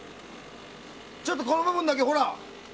ちょっとここの部分だけ、ほら。